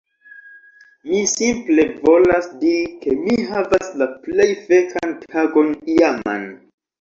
Mi simple volas diri ke mi havas la plej fekan tagon iaman.